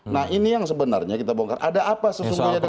nah ini yang sebenarnya kita bongkar ada apa sesungguhnya